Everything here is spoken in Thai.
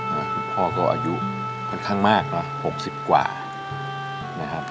คุณพ่อก็อายุค่อนข้างมากเนอะหกสิบกว่านะครับ